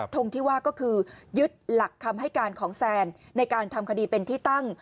ทงที่ว่าก็คือยึดหลักคำให้การของแซนในการทำคดีเป็นที่ตั้ง